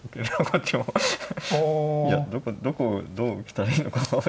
いやどこをどう受けたらいいのか。